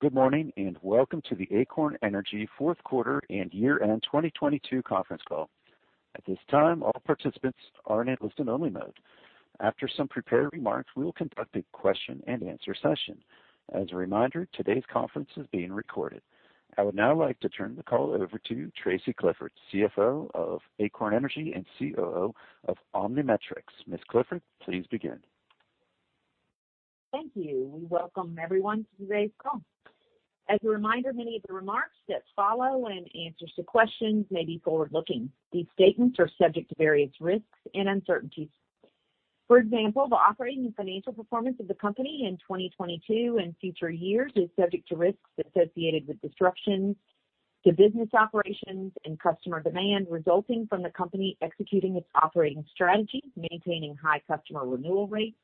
Good morning, welcome to the Acorn Energy fourth quarter and year-end 2022 conference call. At this time, all participants are in listen-only mode. After some prepared remarks, we will conduct a question-and-answer session. As a reminder, today's conference is being recorded. I would now like to turn the call over to Tracy Clifford, CFO of Acorn Energy and COO of OmniMetrix. Ms. Clifford, please begin. Thank you. We welcome everyone to today's call. As a reminder, many of the remarks that follow and answers to questions may be forward-looking. These statements are subject to various risks and uncertainties. For example, the operating and financial performance of the company in 2022 and future years is subject to risks associated with disruptions to business operations and customer demand resulting from the company executing its operating strategy, maintaining high customer renewal rates,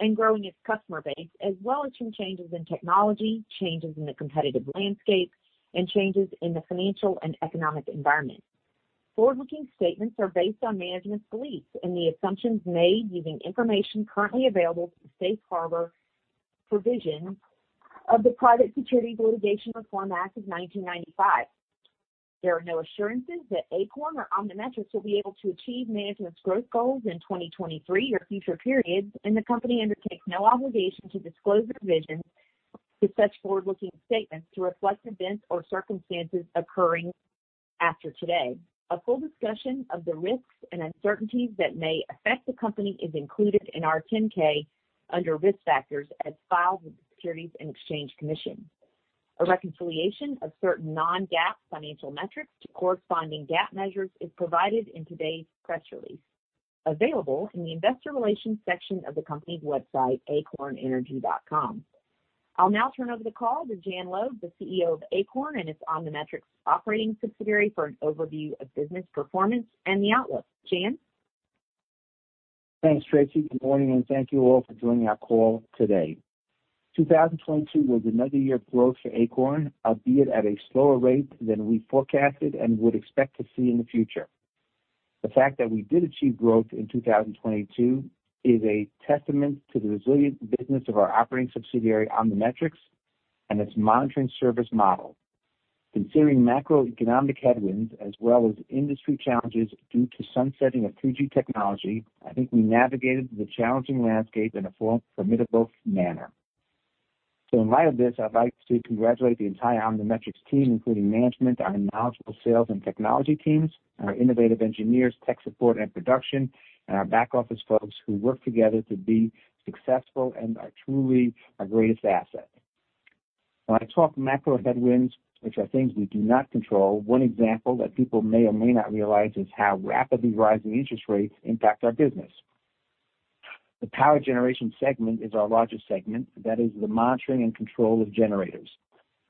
and growing its customer base, as well as from changes in technology, changes in the competitive landscape, and changes in the financial and economic environment. Forward-looking statements are based on management's beliefs and the assumptions made using information currently available to the safe harbor provision of the Private Securities Litigation Reform Act of 1995. There are no assurances that Acorn or OmniMetrix will be able to achieve management's growth goals in 2023 or future periods, and the company undertakes no obligation to disclose revisions to such forward-looking statements to reflect events or circumstances occurring after today. A full discussion of the risks and uncertainties that may affect the company is included in our 10-K under Risk Factors as filed with the Securities and Exchange Commission. A reconciliation of certain non-GAAP financial metrics to corresponding GAAP measures is provided in today's press release, available in the investor relations section of the company's website, acornenergy.com. I'll now turn over the call to Jan Loeb, the CEO of Acorn and its OmniMetrix operating subsidiary, for an overview of business performance and the outlook. Jan? Thanks, Tracy. Good morning, and thank you all for joining our call today. 2022 was another year of growth for Acorn, albeit at a slower rate than we forecasted and would expect to see in the future. The fact that we did achieve growth in 2022 is a testament to the resilient business of our operating subsidiary, OmniMetrix, and its monitoring service model. Considering macroeconomic headwinds as well as industry challenges due to sunsetting of 3G technology, I think we navigated the challenging landscape in a formidable manner. In light of this, I'd like to congratulate the entire OmniMetrix team, including management, our knowledgeable sales and technology teams, our innovative engineers, tech support and production, and our back-office folks who work together to be successful and are truly our greatest asset. When I talk macro headwinds, which are things we do not control, one example that people may or may not realize is how rapidly rising interest rates impact our business. The power generation segment is our largest segment. That is the monitoring and control of generators.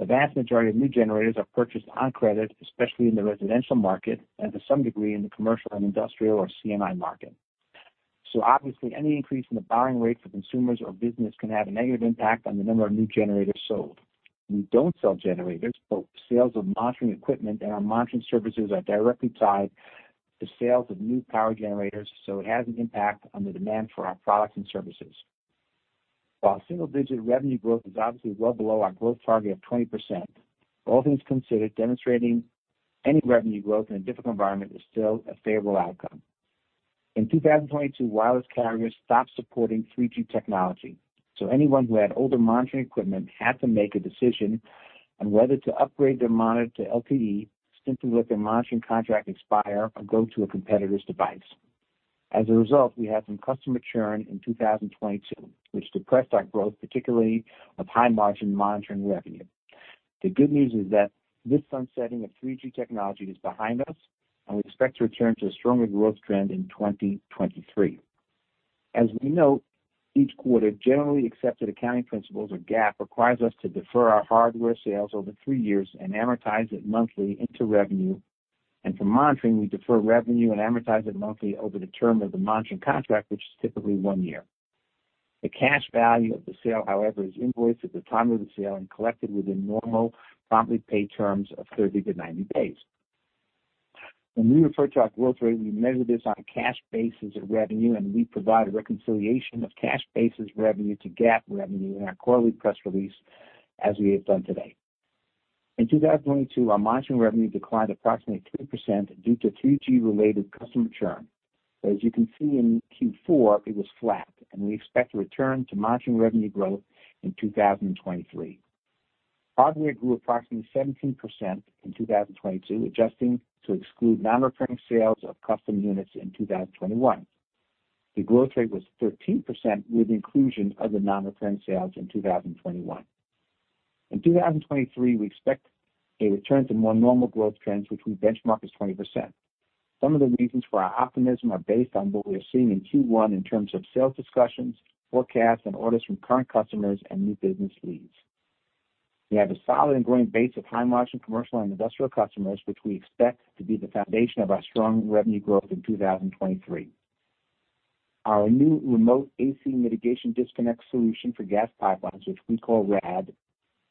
The vast majority of new generators are purchased on credit, especially in the residential market and to some degree in the commercial and industrial or C&I market. Obviously any increase in the borrowing rate for consumers or business can have a negative impact on the number of new generators sold. We don't sell generators, but sales of monitoring equipment and our monitoring services are directly tied to sales of new power generators, so it has an impact on the demand for our products and services. While single-digit revenue growth is obviously well below our growth target of 20%, all things considered, demonstrating any revenue growth in a difficult environment is still a favorable outcome. In 2022, wireless carriers stopped supporting 3G technology, so anyone who had older monitoring equipment had to make a decision on whether to upgrade their monitor to LTE, simply let their monitoring contract expire, or go to a competitor's device. As a result, we had some customer churn in 2022, which depressed our growth, particularly of high-margin monitoring revenue. The good news is that this sunsetting of 3G technology is behind us, and we expect to return to a stronger growth trend in 2023. As we note, each quarter, generally accepted accounting principles or GAAP requires us to defer our hardware sales over three years and amortize it monthly into revenue. For monitoring, we defer revenue and amortize it monthly over the term of the monitoring contract, which is typically one year. The cash value of the sale, however, is invoiced at the time of the sale and collected within normal promptly paid terms of 30-90 days. When we refer to our growth rate, we measure this on a cash basis of revenue, and we provide a reconciliation of cash basis revenue to GAAP revenue in our quarterly press release as we have done today. In 2022, our monitoring revenue declined approximately 2% due to 3G-related customer churn. As you can see in Q4, it was flat, and we expect to return to monitoring revenue growth in 2023. Hardware grew approximately 17% in 2022, adjusting to exclude non-recurring sales of custom units in 2021. The growth rate was 13% with inclusion of the non-recurring sales in 2021. In 2023, we expect a return to more normal growth trends, which we benchmark as 20%. Some of the reasons for our optimism are based on what we are seeing in Q1 in terms of sales discussions, forecasts, and orders from current customers and new business leads. We have a solid and growing base of high-margin commercial and industrial customers, which we expect to be the foundation of our strong revenue growth in 2023. Our new remote AC mitigation disconnect solution for gas pipelines, which we call RAD,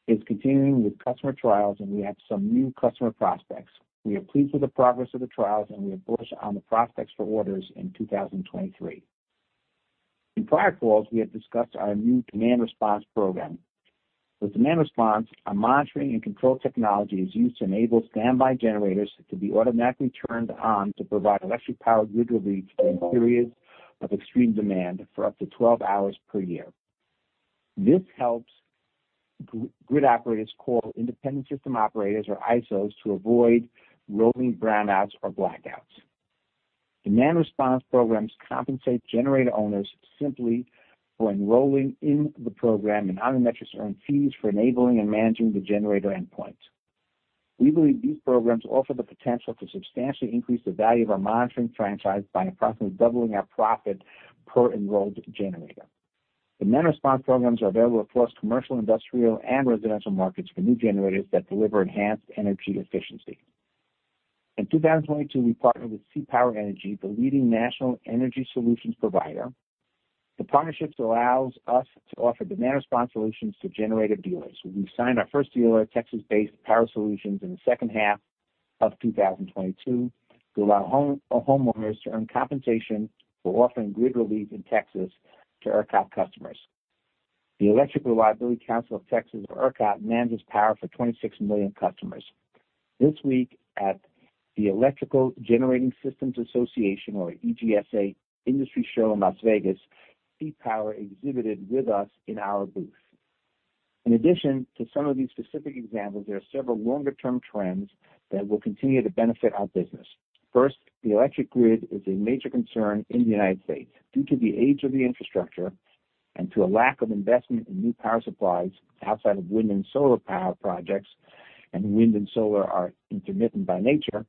is continuing with customer trials, and we have some new customer prospects. We are pleased with the progress of the trials, and we are bullish on the prospects for orders in 2023. In prior calls, we have discussed our new demand response program. With demand response, our monitoring and control technology is used to enable standby generators to be automatically turned on to provide electric powered grid relief during periods of extreme demand for up to 12 hours per year. This helps grid operators call independent system operators or ISOs to avoid rolling brownouts or blackouts. Demand response programs compensate generator owners simply for enrolling in the program, and OmniMetrix earn fees for enabling and managing the generator endpoint. We believe these programs offer the potential to substantially increase the value of our monitoring franchise by approximately doubling our profit per enrolled generator. Demand response programs are available across commercial, industrial, and residential markets for new generators that deliver enhanced energy efficiency. In 2022, we partnered with CPower Energy, the leading national energy solutions provider. The partnership allows us to offer demand response solutions to generator dealers. We signed our first dealer, Texas-based Power Solutions, in the second half of 2022 to allow homeowners to earn compensation for offering grid relief in Texas to ERCOT customers. The Electric Reliability Council of Texas, or ERCOT, manages power for 26 million customers. This week at the Electrical Generating Systems Association, or EGSA, industry show in Las Vegas, CPower exhibited with us in our booth. In addition to some of these specific examples, there are several longer term trends that will continue to benefit our business. First, the electric grid is a major concern in the United States. Due to the age of the infrastructure and to a lack of investment in new power supplies outside of wind and solar power projects, and wind and solar are intermittent by nature,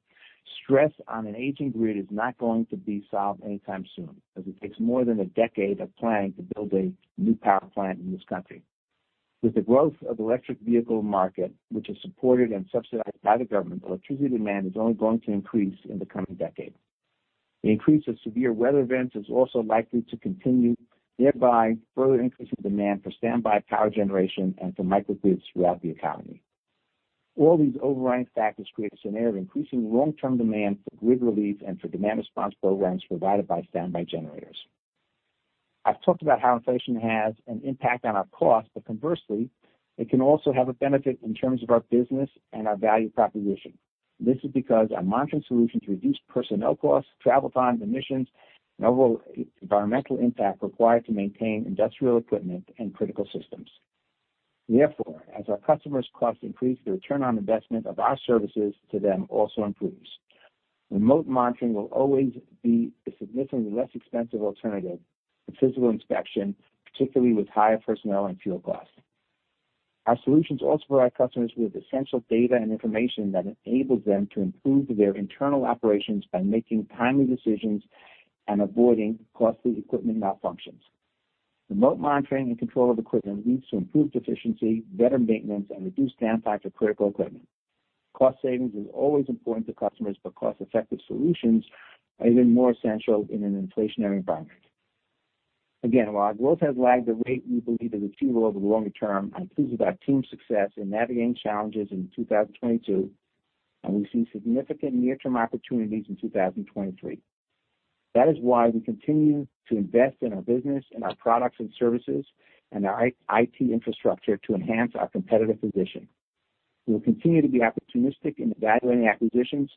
stress on an aging grid is not going to be solved anytime soon, as it takes more than 10 years of planning to build a new power plant in this country. With the growth of electric vehicle market, which is supported and subsidized by the government, electricity demand is only going to increase in the coming 10 years. The increase of severe weather events is also likely to continue, thereby further increasing demand for standby power generation and for microgrids throughout the economy. All these overriding factors create a scenario of increasing long-term demand for grid relief and for demand response programs provided by standby generators. I've talked about how inflation has an impact on our costs, but conversely, it can also have a benefit in terms of our business and our value proposition. This is because our monitoring solutions reduce personnel costs, travel times, emissions, and overall environmental impact required to maintain industrial equipment and critical systems. Therefore, as our customers' costs increase, the return on investment of our services to them also improves. Remote monitoring will always be a significantly less expensive alternative to physical inspection, particularly with higher personnel and fuel costs. Our solutions also provide customers with essential data and information that enables them to improve their internal operations by making timely decisions and avoiding costly equipment malfunctions. Remote monitoring and control of equipment leads to improved efficiency, better maintenance, and reduced downtime for critical equipment. Cost savings is always important to customers, but cost-effective solutions are even more essential in an inflationary environment. Again, while our growth has lagged the rate we believe is achievable over the longer term, I'm pleased with our team's success in navigating challenges in 2022, and we see significant near-term opportunities in 2023. That is why we continue to invest in our business and our products and services and our IT infrastructure to enhance our competitive position. We will continue to be opportunistic in evaluating acquisitions,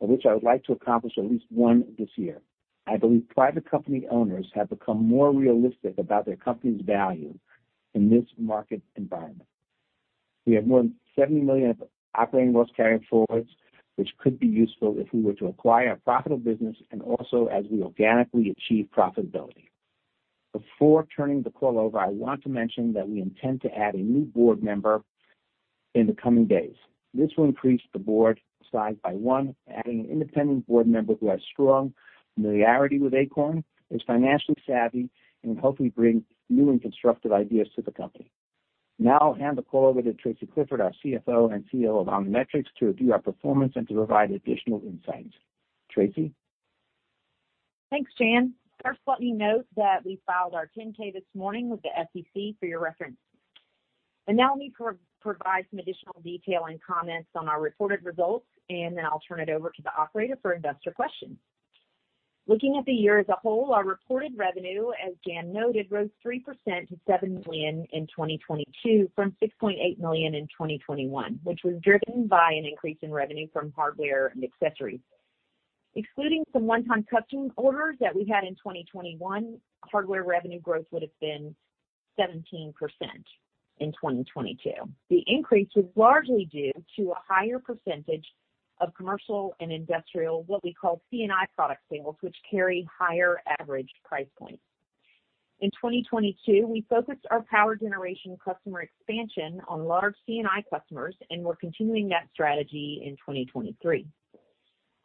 of which I would like to accomplish at least one this year. I believe private company owners have become more realistic about their company's value in this market environment. We have more than $70 million of operating loss carryforwards, which could be useful if we were to acquire a profitable business and also as we organically achieve profitability. Before turning the call over, I want to mention that we intend to add a new board member in the coming days. This will increase the board size by one, adding an independent board member who has strong familiarity with Acorn, is financially savvy, and will hopefully bring new and constructive ideas to the company. I'll hand the call over to Tracy Clifford, our CFO and CEO of OmniMetrix, to review our performance and to provide additional insights. Tracy? Thanks, Jan. First let me note that we filed our 10-K this morning with the SEC for your reference. Now let me provide some additional detail and comments on our reported results, and then I'll turn it over to the operator for investor questions. Looking at the year as a whole, our reported revenue, as Jan noted, rose 3% to $7 million in 2022 from $6.8 million in 2021, which was driven by an increase in revenue from hardware and accessories. Excluding some one-time custom orders that we had in 2021, hardware revenue growth would have been 17% in 2022. The increase was largely due to a higher percentage of commercial and industrial, what we call C&I product sales, which carry higher average price points. In 2022, we focused our power generation customer expansion on large C&I customers, we're continuing that strategy in 2023.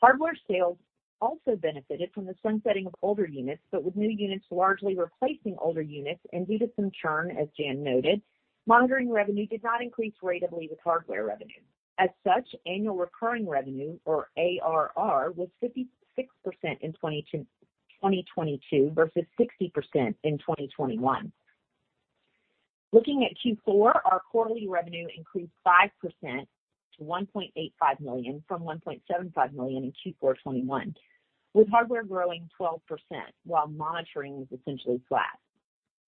Hardware sales also benefited from the sunsetting of older units, with new units largely replacing older units and due to some churn, as Jan noted, monitoring revenue did not increase ratably with hardware revenue. As such, annual recurring revenue, or ARR, was 56% in 2022 versus 60% in 2021. Looking at Q4, our quarterly revenue increased 5% to $1.85 million from $1.75 million in Q4 2021, with hardware growing 12% while monitoring was essentially flat.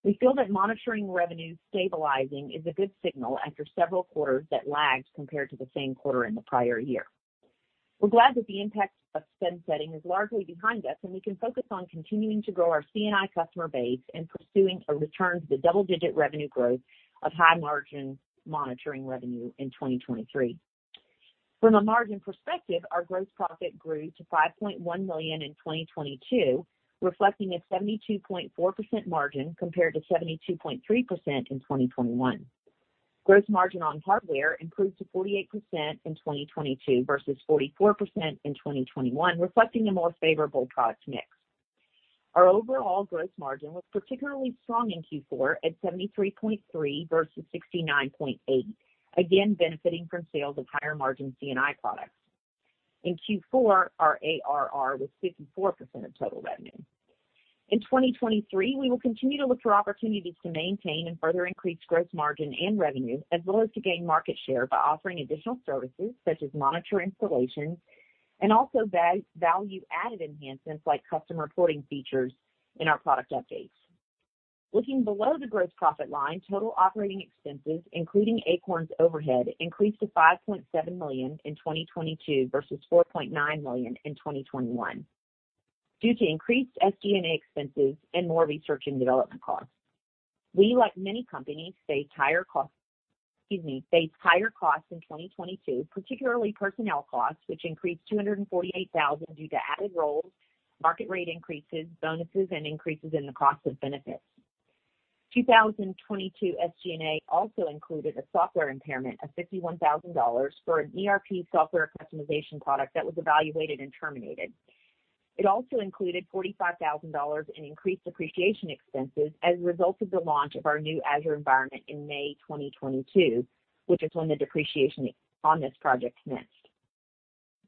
We feel that monitoring revenue stabilizing is a good signal after several quarters that lagged compared to the same quarter in the prior year. We're glad that the impact of spend setting is largely behind us, and we can focus on continuing to grow our C&I customer base and pursuing a return to the double-digit revenue growth of high margin monitoring revenue in 2023. From a margin perspective, our gross profit grew to $5.1 million in 2022, reflecting a 72.4% margin compared to 72.3% in 2021. Gross margin on hardware improved to 48% in 2022 versus 44% in 2021, reflecting a more favorable product mix. Our overall gross margin was particularly strong in Q4 at 73.3% versus 69.8%, again benefiting from sales of higher margin C&I products. In Q4, our ARR was 54% of total revenue. In 2023, we will continue to look for opportunities to maintain and further increase gross margin and revenue as well as to gain market share by offering additional services such as monitor installations and also value-added enhancements like custom reporting features in our product updates. Looking below the gross profit line, total operating expenses, including Acorn's overhead, increased to $5.7 million in 2022 versus $4.9 million in 2021 due to increased SG&A expenses and more research and development costs. We, like many companies, faced higher costs, excuse me, faced higher costs in 2022, particularly personnel costs, which increased $248,000 due to added roles, market rate increases, bonuses, and increases in the cost of benefits. 2022 SG&A also included a software impairment of $51,000 for an ERP software customization product that was evaluated and terminated. It also included $45,000 in increased depreciation expenses as a result of the launch of our new Azure environment in May 2022, which is when the depreciation on this project commenced.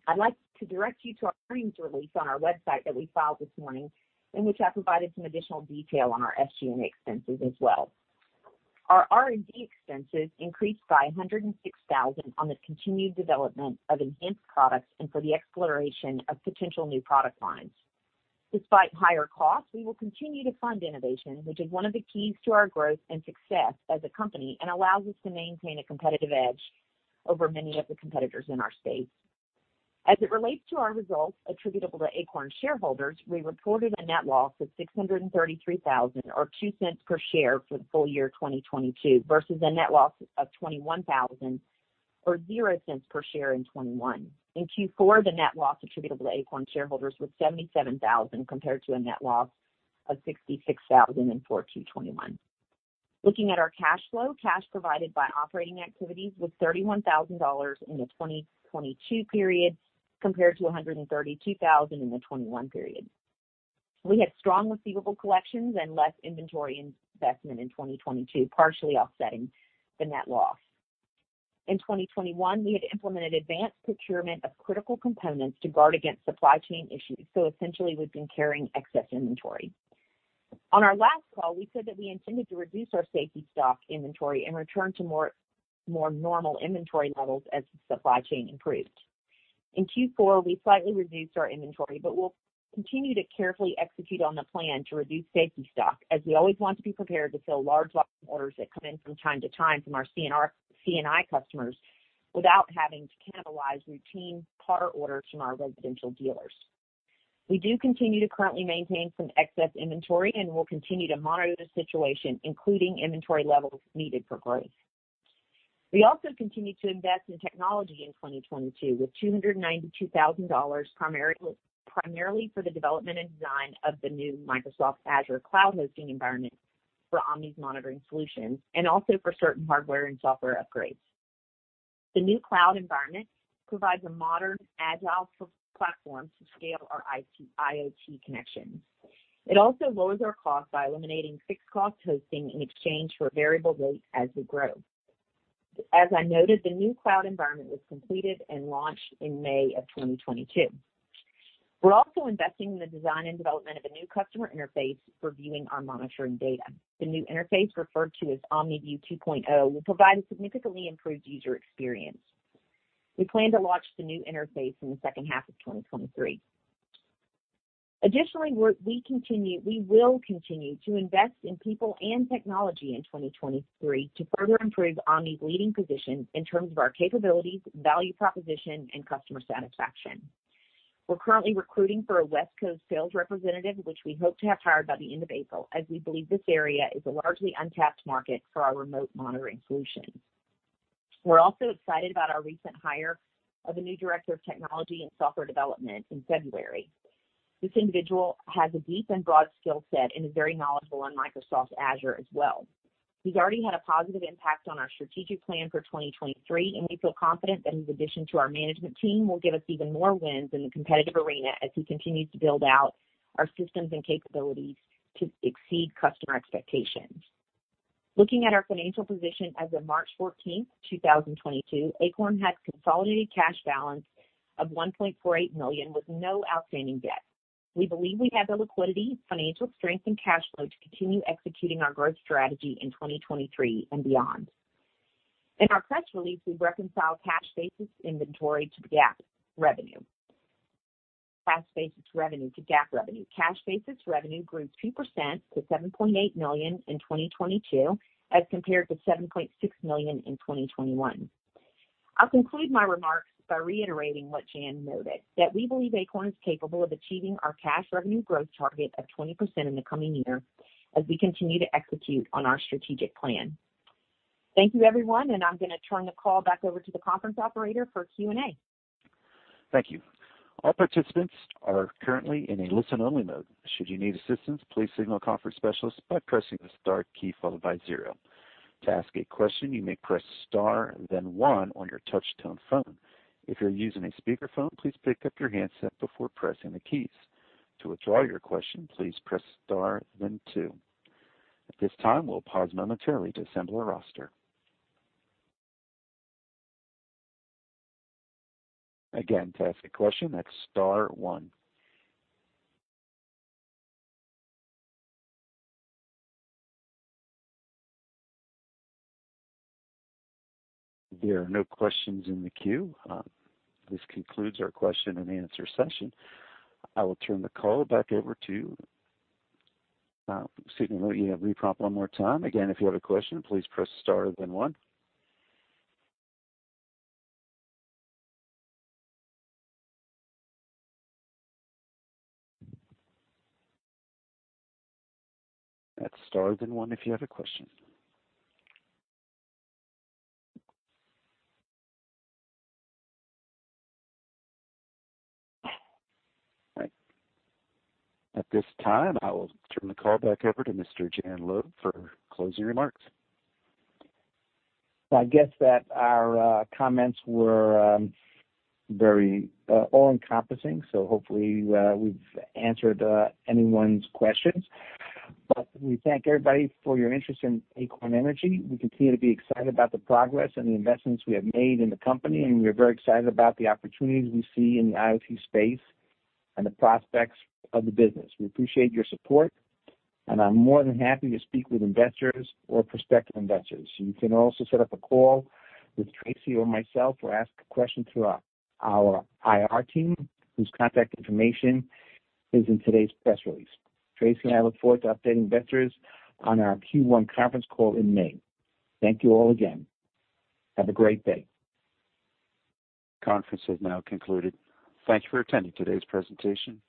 I'd like to direct you to our earnings release on our website that we filed this morning, in which I provided some additional detail on our SG&A expenses as well. Our R&D expenses increased by $106,000 on the continued development of enhanced products and for the exploration of potential new product lines. Despite higher costs, we will continue to fund innovation, which is one of the keys to our growth and success as a company and allows us to maintain a competitive edge over many of the competitors in our space. As it relates to our results attributable to Acorn shareholders, we reported a net loss of $633,000 or $0.02 per share for the full year 2022 versus a net loss of $21,000 or $0.00 per share in 2021. In Q4, the net loss attributable to Acorn shareholders was $77,000 compared to a net loss of $66,000 in Q4 2021. Looking at our cash flow, cash provided by operating activities was $31,000 in the 2022 period compared to $132,000 in the 2021 period. We had strong receivable collections and less inventory investment in 2022, partially offsetting the net loss. In 2021, we had implemented advanced procurement of critical components to guard against supply chain issues. Essentially, we've been carrying excess inventory. On our last call, we said that we intended to reduce our safety stock inventory and return to more normal inventory levels as the supply chain improved. In Q4, we slightly reduced our inventory, but we'll continue to carefully execute on the plan to reduce safety stock as we always want to be prepared to fill large orders that come in from time to time from our C&I customers without having to cannibalize routine car orders from our residential dealers. We do continue to currently maintain some excess inventory, and we'll continue to monitor the situation, including inventory levels needed for growth. We also continued to invest in technology in 2022 with $292,000 primarily for the development and design of the new Microsoft Azure cloud hosting environment for Omni's monitoring solutions and also for certain hardware and software upgrades. The new cloud environment provides a modern agile platform to scale our IoT connections. It also lowers our cost by eliminating fixed-cost hosting in exchange for a variable rate as we grow. As I noted, the new cloud environment was completed and launched in May of 2022. We're also investing in the design and development of a new customer interface for viewing our monitoring data. The new interface, referred to as OmniView 2.0, will provide a significantly improved user experience. We plan to launch the new interface in the second half of 2023. Additionally, we will continue to invest in people and technology in 2023 to further improve Omni's leading position in terms of our capabilities, value proposition, and customer satisfaction. We're currently recruiting for a West Coast sales representative, which we hope to have hired by the end of April, as we believe this area is a largely untapped market for our remote monitoring solutions. We're also excited about our recent hire of a new director of technology and software development in February. This individual has a deep and broad skill set and is very knowledgeable on Microsoft Azure as well. He's already had a positive impact on our strategic plan for 2023. We feel confident that his addition to our management team will give us even more wins in the competitive arena as he continues to build out our systems and capabilities to exceed customer expectations. Looking at our financial position as of March 14, 2022, Acorn had consolidated cash balance of $1.48 million with no outstanding debt. We believe we have the liquidity, financial strength and cash flow to continue executing our growth strategy in 2023 and beyond. In our press release, we reconcile cash basis revenue to GAAP revenue. Cash basis revenue grew 2% to $7.8 million in 2022 as compared to $7.6 million in 2021. I'll conclude my remarks by reiterating what Jan noted, that we believe Acorn is capable of achieving our cash revenue growth target of 20% in the coming year as we continue to execute on our strategic plan. Thank you, everyone, I'm going to turn the call back over to the conference operator for Q&A. Thank you. All participants are currently in a listen-only mode. Should you need assistance, please signal conference specialist by pressing the star key followed by 0. To ask a question, you may press star then one on your touch-tone phone. If you're using a speakerphone, please pick up your handset before pressing the keys. To withdraw your question, please press star then two. At this time, we'll pause momentarily to assemble a roster. Again, to ask a question, that's star one. There are no questions in the queue. This concludes our question-and-answer session. I will turn the call back over to, let me reprompt 1 more time. Again, if you have a question, please press star then one. That's star then one if you have a question. All right. At this time, I will turn the call back over to Mr. Jan Loeb for closing remarks. I guess that our comments were very all-encompassing, so hopefully, we've answered anyone's questions. We thank everybody for your interest in Acorn Energy. We continue to be excited about the progress and the investments we have made in the company, and we are very excited about the opportunities we see in the IoT space and the prospects of the business. We appreciate your support, and I'm more than happy to speak with investors or prospective investors. You can also set up a call with Tracy or myself or ask a question through our IR team, whose contact information is in today's press release. Tracy and I look forward to updating investors on our Q1 conference call in May. Thank you all again. Have a great day. Conference is now concluded. Thank you for attending today's presentation.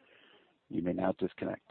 You may now disconnect.